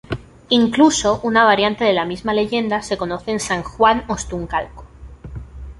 Incluso, una variante de la misma leyenda se conoce en San Juan Ostuncalco.